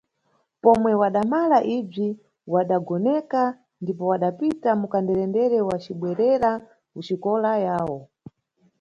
Pomwe wadamala ibzi, wadagonekana ndipo wadapita mukanderendere wacibwerera kuxikola yawo.